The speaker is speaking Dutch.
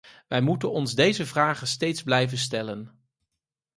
Wij moeten ons deze vragen steeds blijven stellen.